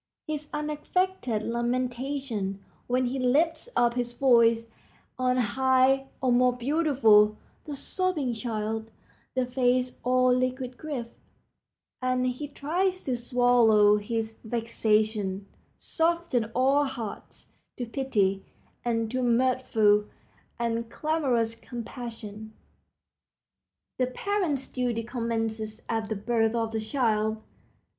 His unaffected lamentation when he lifts up his voice on high, or, more beautiful, the sobbing child—the face all liquid grief, as he tries to swallow his vexation—soften all hearts to pity and to mirthful and clamorous compassion. The parent's duty commences at the birth of the child.